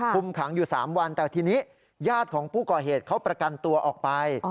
คุมขังอยู่๓วันแต่ทีนี้ญาติของผู้ก่อเหตุเขาประกันตัวออกไป